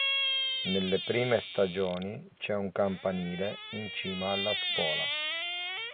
Nelle prime stagioni c'è un campanile in cima alla scuola.